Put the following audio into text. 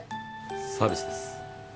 サービスです